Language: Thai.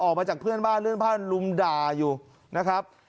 ออกมาจากเพื่อนบ้านเรื่องผ้าลุมด่าอยู่นะครับ